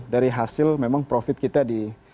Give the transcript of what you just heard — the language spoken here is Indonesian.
dari hasil memang profit kita di